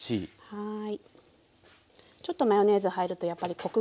はい。